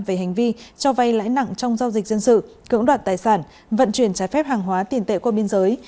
về hành vi cho vay lãi nặng trong giao dịch dân sự cưỡng đoạt tài sản vận chuyển trái phép hàng hóa tiền tệ qua biên giới